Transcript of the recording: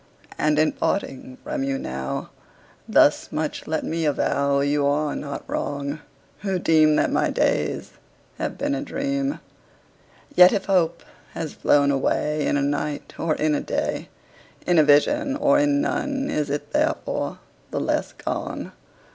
And, in parting from you now, Thus much let me avow You are not wrong, who deem That my days have been a dream: Yet if hope has flown away In a night, or in a day, In a vision or in none, Is it therefore the less gone?